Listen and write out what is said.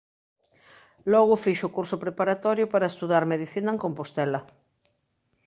Logo fixo o curso preparatorio para estudar medicina en Compostela.